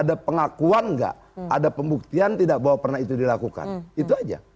ada pengakuan nggak ada pembuktian tidak bahwa pernah itu dilakukan itu aja